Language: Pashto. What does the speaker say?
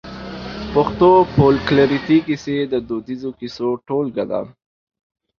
پښتو فولکلوريکي کيسې د دوديزو کيسو ټولګه ده.